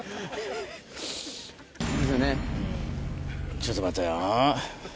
ちょっと待てよ。